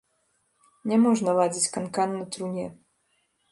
Не можна ладзіць канкан на труне.